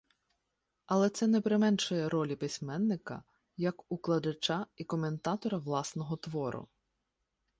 Але це не применшує ролі письменника як укладача і коментатора власного твору.